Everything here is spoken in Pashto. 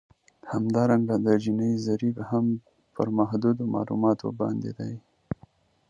همدارنګه د جیني ضریب هم پر محدودو معلوماتو باندې دی